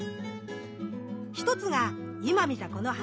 １つが今見たこの花！